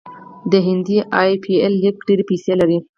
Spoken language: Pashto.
د هند ای پي ایل لیګ ډیرې پیسې لري.